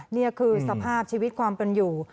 นี่คือสภาพชีวิตความเป็นอยู่